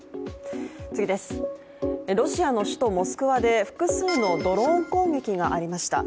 ロシアの首都モスクワで複数のドローン攻撃がありました。